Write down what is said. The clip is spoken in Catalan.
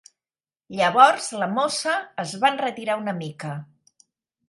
Llavors la mossa es va enretirar una mica